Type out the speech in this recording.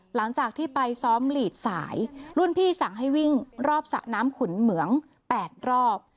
หลังจากที่ไปซ้อมหลีดสายรุ่นพี่สั่งให้วิ่งรอบสระน้ำขุนเหมือง๘รอบ